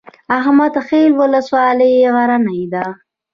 احمد خیل ولسوالۍ غرنۍ ده؟